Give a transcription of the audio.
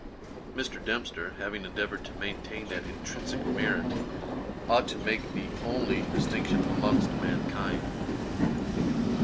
Mr. Dempster having endeavoured to maintain that intrinsick merit ought to make the only distinction amongst mankind.